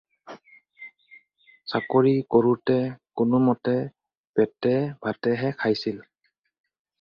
চাকৰি কৰোঁতে কোনোমতে পেটে-ভাতেহে খাইছিল।